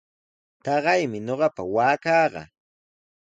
Taqaymi ñuqapa waakaqa.